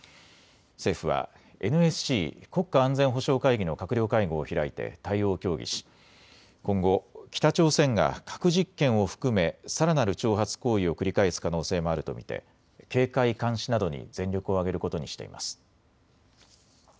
政府はＮＳＣ・国家安全保障会議の閣僚会合を開いて対応を協議し、今後、北朝鮮が核実験を含めさらなる挑発行為を繰り返す可能性もあると見て警戒監視などに全力を挙げることにしています。